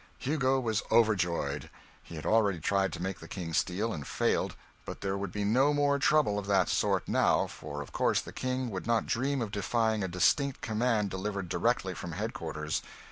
Hugo was overjoyed. He had already tried to make the King steal, and failed; but there would be no more trouble of that sort, now, for of course the King would not dream of defying a distinct command delivered directly from head quarters.